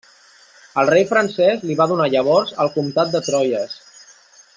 El rei francès li va donar llavors el comtat de Troyes.